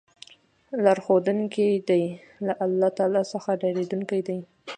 لار ښودونکی دی له الله تعالی څخه ډاريدونکو ته